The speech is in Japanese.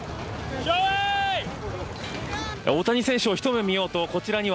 大谷選手を一目見ようとこちらには